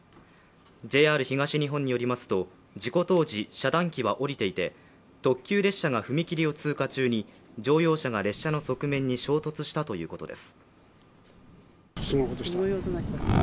ＪＲ東日本によりますと事故当時、遮断機は下りていて特急列車が踏切を通過中に乗用車が列車の側面に衝突したということです。